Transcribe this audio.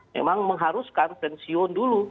memang mengharuskan pensiun dulu